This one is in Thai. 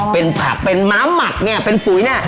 เป็นผักเป็นม้าหมักเนี่ยเป็นปุ๋ยเนี่ย